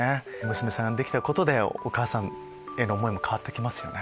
娘さんができてお母さんへの思い変わってきますよね。